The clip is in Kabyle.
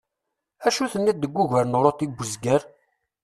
Acu tenniḍ deg wugar n uṛuti n uzger?